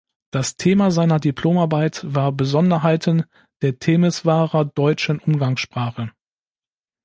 Das Thema seiner Diplomarbeit war "Besonderheiten der Temeswarer deutschen Umgangssprache".